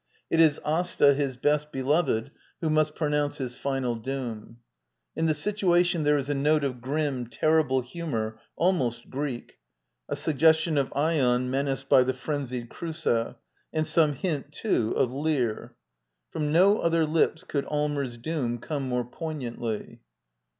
It is Asta, his best beloved, who must pronounce his final doom. In the situation there is a note of grim, terrible humor almost Greek — a suggestion of Ion menaced by the frenzied Creusa — and some hint, too, of Lear. From no other lips could All mers' doom come more poignantly.